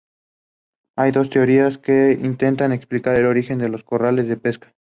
Hay dos teorías que intentan explicar el origen de los corrales de pesca.